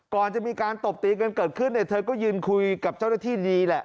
ก่อนจะมีการตบตีกันเกิดขึ้นเนี่ยเธอก็ยืนคุยกับเจ้าหน้าที่ดีแหละ